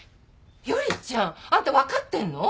依ちゃんあなた分かってんの？